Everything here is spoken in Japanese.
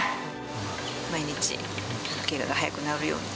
毎日、けがが早く治るように、